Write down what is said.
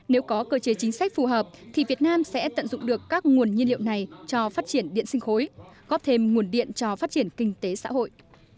nếu có cơ chế chính sách phù hợp thì việt nam sẽ tận dụng được các nguồn nhiên liệu này cho phát triển điện sinh khối góp thêm nguồn điện cho phát triển kinh tế xã hội